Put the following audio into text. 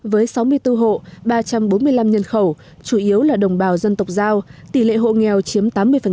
với sáu mươi bốn hộ ba trăm bốn mươi năm nhân khẩu chủ yếu là đồng bào dân tộc giao tỷ lệ hộ nghèo chiếm tám mươi